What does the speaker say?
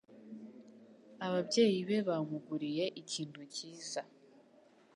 Ababyeyi be bamuguriye ikintu cyiza.